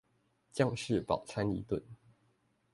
將士飽餐一頓